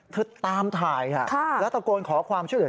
ตามถ่ายแล้วตะโกนขอความช่วยเหลือ